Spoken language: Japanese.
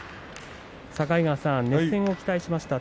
境川さん、熱戦を期待しました。